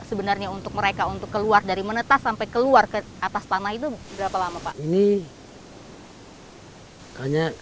sebenarnya untuk mereka untuk keluar dari menetas sampai keluar ke atas tanah itu berapa lama pak